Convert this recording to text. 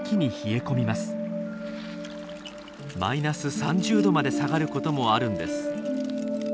−３０℃まで下がることもあるんです。